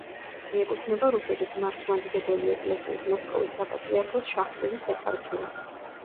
მიეკუთვნება რუსეთის მართლმადიდებელი ეკლესიის მოსკოვის საპატრიარქოს შახტინის ეპარქიას.